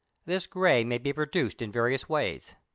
This grey may be produced in various ways.